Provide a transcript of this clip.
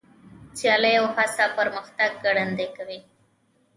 سیالي او هڅه پرمختګ ګړندی کوي.